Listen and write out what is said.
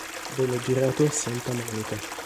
Venne girato a Santa Monica.